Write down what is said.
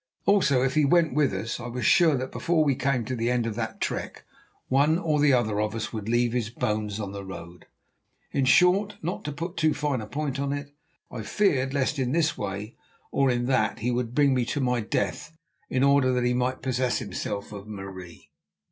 Also, if he went with us, I was sure that before we came to the end of that trek, one or other of us would leave his bones on the road. In short, not to put too fine a point on it, I feared lest in this way or in that he would bring me to my death in order that he might possess himself of Marie.